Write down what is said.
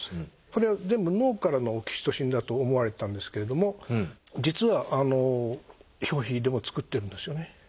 それは全部脳からのオキシトシンだと思われてたんですけれども実は表皮でも作ってるんですよね。